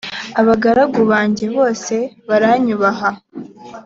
abagaragu banjye base baranyubaha